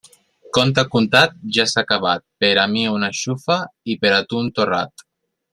Conte contat, ja s'ha acabat; per a mi una xufa i per a tu un torrat.